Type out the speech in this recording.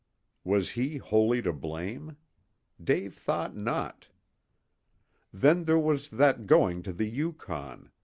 Was he wholly to blame? Dave thought not. Then there was that going to the Yukon.